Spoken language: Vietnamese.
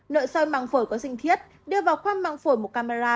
nội soi măng phổi có sinh thiết đưa vào khoan măng phổi một camera